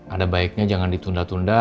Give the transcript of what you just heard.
ada baiknya jangan ditunda tunda